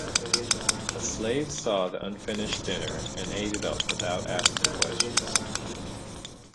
A slave saw the unfinished dinner and ate it up without asking questions.